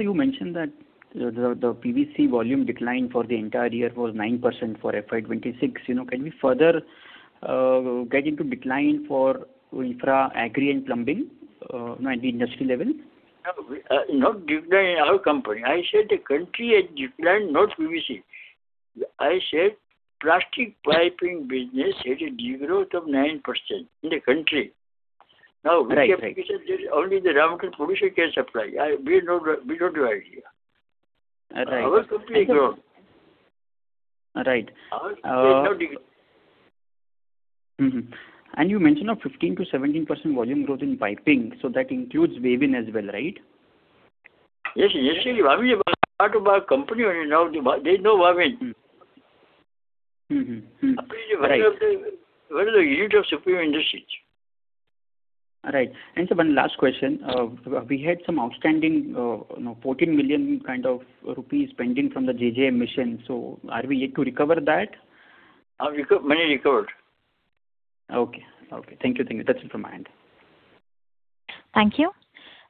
S25: you mentioned that the PVC volume decline for the entire year was 9% for FY 2026. You know, can we further get into decline for infra, agri and plumbing, you know, at the industry level?
S3: I said the country has declined, not PVC. I said plastic piping business had a degrowth of 9% in the country.
S25: Right. Right.
S3: Now, which application there is only the raw material producer can supply. We don't do R&D.
S25: Right.
S3: Our company has grown.
S25: Right.
S3: Our company has now declined.
S25: You mentioned 15%-17% volume growth in piping, so that includes Wavin as well, right?
S3: Yes. Yes, sir. Wavin is part of our company and now there's no Wavin.
S25: Right.
S3: Wavin is one of the unit of Supreme Industries.
S25: Right. Sir, one last question. We had some outstanding, you know, kind of INR 14 million pending from the JJM Mission. Are we yet to recover that?
S3: Money recovered.
S25: Okay. Thank you. That's it from my end.
S1: Thank you.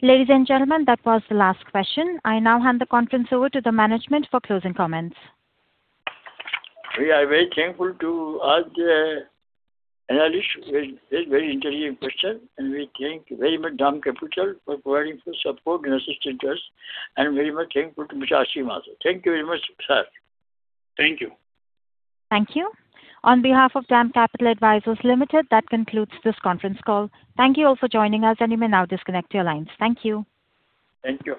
S1: Ladies and gentlemen, that was the last question. I now hand the conference over to the management for closing comments.
S3: We are very thankful to all the analysts with very, very intelligent question, and we thank very much DAM Capital for providing full support and assistance to us, and very much thankful to Mr. Aasim Bharde also. Thank you very much, sir.
S6: Thank you.
S1: Thank you. On behalf of DAM Capital Advisors Limited, that concludes this conference call. Thank you all for joining us, and you may now disconnect your lines. Thank you.
S6: Thank you.